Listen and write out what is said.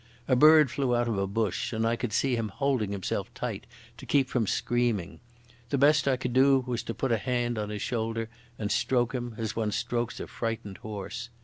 A bird flew out of a bush, and I could see him holding himself tight to keep from screaming. The best I could do was to put a hand on his shoulder and stroke him as one strokes a frightened horse.